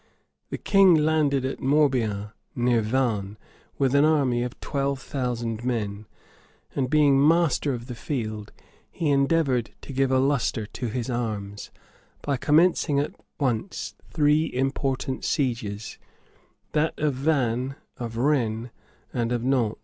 The king landed at Morbian, near Vannes, with an army of twelve thousand men; and being master of the field, he endeavored to give a lustre to his arms, by commencing at once three important sieges, that of Vannes, of Rennes, and of Nantz.